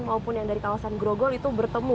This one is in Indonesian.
maupun yang dari kawasan grogol itu bertemu